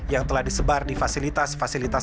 yang telah disebar di fasilitas fasilitas